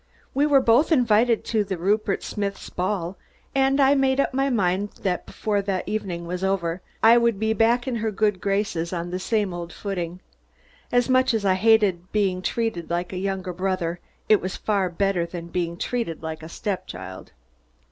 We were both invited to the Rupert Smiths' ball, and I made up my mind that before the evening was over, I would be back in her good graces, on the same old footing. As much as I hated being treated like a younger brother, it was far better than being treated like a stepchild.